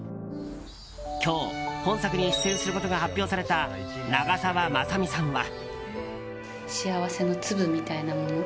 今日、本作に出演することが発表された長澤まさみさんは。